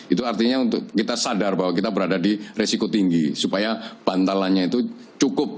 itu artinya untuk kita sadar bahwa kita berada di resiko tinggi supaya bantalannya itu cukup